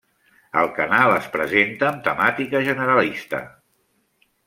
El canal es presenta amb temàtica generalista.